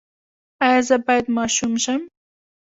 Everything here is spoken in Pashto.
ایا زه باید ماشوم شم؟